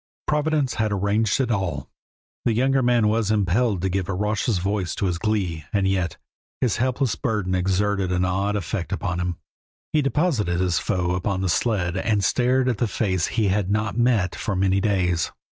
Providence had arranged it all. The younger man was impelled to give raucous voice to his glee, and yet his helpless burden exerted an odd effect upon him. He deposited his foe upon the sled and stared at the face he had not met for many days.